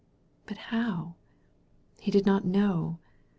But how? He did not know.